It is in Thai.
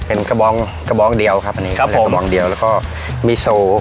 เป็นกระบองกระบองเดียวครับอันนี้กระบองกระบองเดียวแล้วก็มีโซ